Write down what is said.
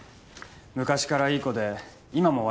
「昔からいい子で今も」